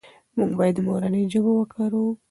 موږ باید مورنۍ ژبه وکاروو.